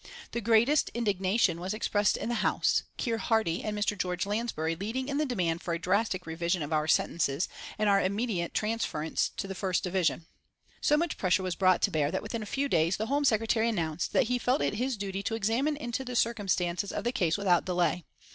The greatest indignation was expressed in the House, Keir Hardie and Mr. George Lansbury leading in the demand for a drastic revision of our sentences and our immediate transference to the first division. So much pressure was brought to bear that within a few days the Home Secretary announced that he felt it his duty to examine into the circumstances of the case without delay.